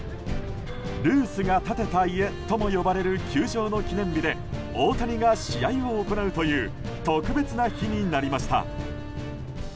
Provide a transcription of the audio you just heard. ルースが建てた家とも呼ばれる球場の記念日で大谷が試合を行うという特別な日になりました。